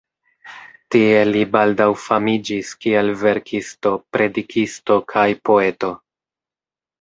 Tie li baldaŭ famiĝis kiel verkisto, predikisto kaj poeto.